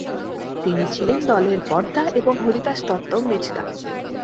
তিনি ছিলেন দলের বড়দা এবং হরিদাস দত্ত মেজদা।